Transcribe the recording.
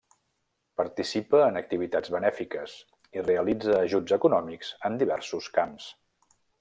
Participa en activitats benèfiques i realitza ajuts econòmics en diversos camps.